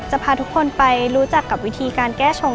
พาทุกคนไปรู้จักกับวิธีการแก้ชง